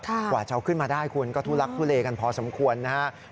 กว่าจะเอาขึ้นมาได้คุณก็ทุลักทุเลกันพอสมควรนะครับ